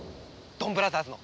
ドンブラザーズの。